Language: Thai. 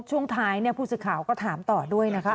ช่วงท้ายผู้สื่อข่าวก็ถามต่อด้วยนะคะ